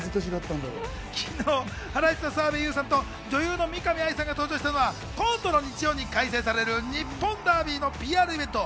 昨日、ハライチの澤部佑さんと女優の見上愛さんが登場したのは、今度の日曜に開催される日本ダービーのＰＲイベント。